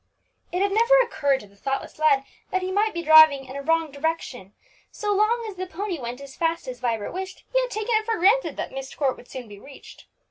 It had never occurred to the thoughtless lad that he might be driving in a wrong direction; so long as the pony went as fast as Vibert wished, he had taken it for granted that Myst Court would soon be reached.